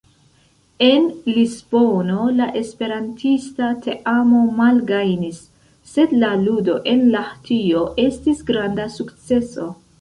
En Lisbono la esperantista teamo malgajnis, sed la ludo en Lahtio estis granda sukceso.